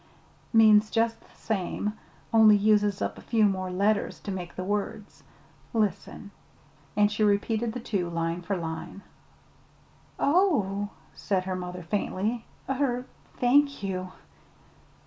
Means just the same, only uses up a few more letters to make the words. Listen." And she repeated the two, line for line. "Oh!" said her mother faintly. "Er thank you."